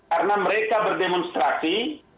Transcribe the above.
karena mereka berdemonstrasi